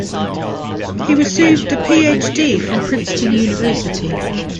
He received a PhD from Princeton University.